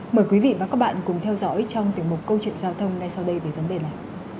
mời quý vị và các bạn cùng theo dõi trong tiểu mục câu chuyện giao thông ngay sau đây về vấn đề này